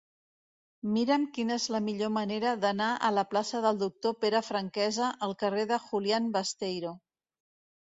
Mira'm quina és la millor manera d'anar de la plaça del Doctor Pere Franquesa al carrer de Julián Besteiro.